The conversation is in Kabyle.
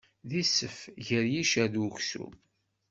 D isef gar yiccer d uksum.